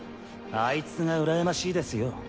あいつがうらやましいですよ。